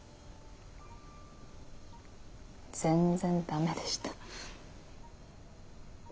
全然ダメでした。